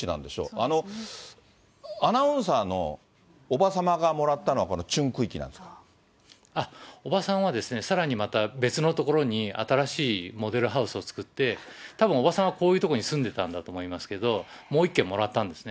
あのアナウンサーのおば様がもらったのは、このチュン区域なんでおばさんはですね、さらにまた別の所に新しいモデルハウスを作って、たぶんおばさんはこういう所に住んでたんだと思うんですけど、もう１軒もらったんですね。